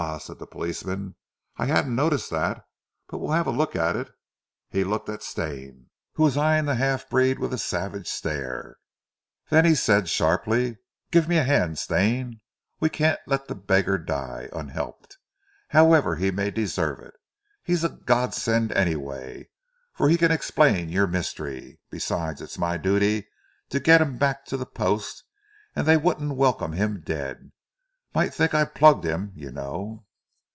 said the policeman, "I hadn't noticed that, but we'll have a look at it." He looked at Stane, who was eyeing the half breed with a savage stare, then he said sharply: "Give me a hand, Stane. We can't let the beggar die unhelped, however he may deserve it. He's a godsend anyway, for he can explain your mystery. Besides it's my duty to get him back to the Post, and they wouldn't welcome him dead. Might think I'd plugged him, you know."